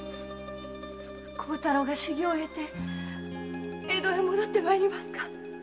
孝太郎が修行を終えて江戸へ戻って参りますか〕